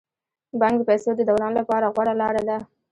بانک د پيسو د دوران لپاره غوره لاره ده.